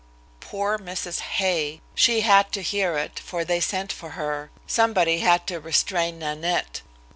Poor Mrs. Hay! She had to hear it, for they sent for her; somebody had to restrain Nanette.